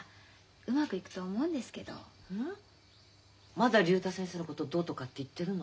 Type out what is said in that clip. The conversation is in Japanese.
まだ竜太先生のことどうとかって言ってるの？